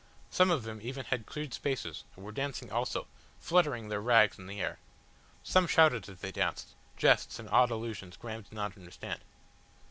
Some of them even had cleared spaces, and were dancing also, fluttering their rags in the air. Some shouted as they danced, jests and odd allusions Graham did not understand.